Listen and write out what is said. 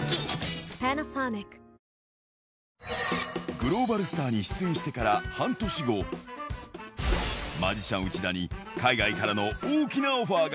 グローバルスターに出演してから半年後、マジシャン、内田に海外からの大きなオファーが。